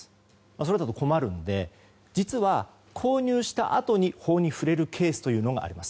それだと困るので実は購入したあと法に触れるケースというのがあります。